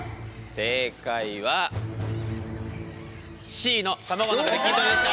正解はＣの卵の中で筋トレでした。